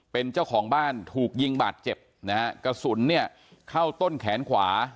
เป็นเจ้าของบ้านถูกยิงบาดเจ็บนะฮะกระสุนเนี่ยเข้าต้นแขนขวา